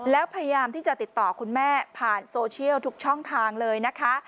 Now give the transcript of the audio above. แล้วพยายามที่จะติดต่อคุณแม่ผ่านโซเชียลทุกช่องทางเลยนะคะ